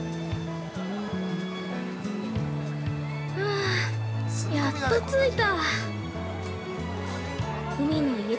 あやっと着いた。